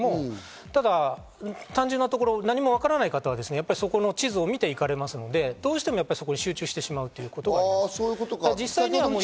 ただ単純なところ、何もわからない方はそこの地図を見ていかれますので、どうしてもそこに集中してしまうことがあります。